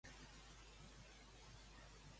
Què ha tingut present Puig?